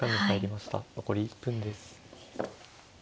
残り１分です。